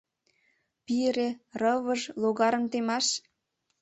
Пире, рывыж логарым темаш.